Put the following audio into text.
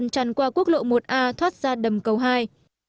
tràn qua quốc lộ một a thoát ra đầm cầu hai